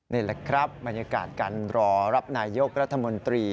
นี่แหละครับบรรยากาศการรอรับนายยกรัฐมนตรี